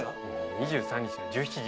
２３日の１７時。